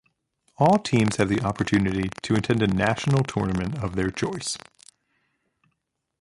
All teams have the opportunity to attend a National Tournament of their choice.